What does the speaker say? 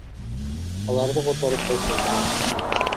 Аларды которуп койсо болот.